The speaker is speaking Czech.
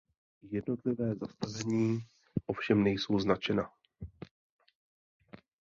Jednotlivé zastavení ovšem nejsou značena.